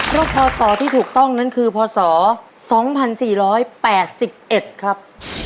แล้วพอสอที่ถูกต้องนั้นคือพอสอ๒๔๘๑ครับ